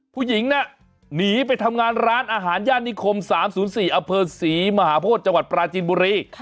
ผู้หญิงน่ะหนีไปทำงานร้านอาหารย่านนิคม๓๐๔อเภอศรีมหาโพธิจังหวัดปราจีนบุรี